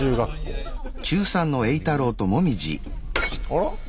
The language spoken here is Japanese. あら？